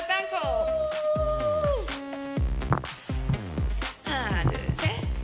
เป็นความสวยงามของสาว